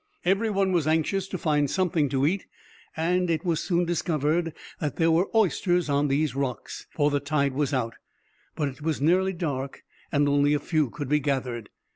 Every one was anxious to find something to eat, and it was soon discovered that there were oysters on these rocks, for the tide was out; but it was nearly dark, and only a few could be gathered.